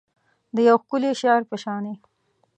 د یو ښکلي شعر په شاني